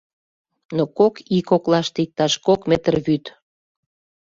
Но кок ий коклаште иктаж кок метр вӱд.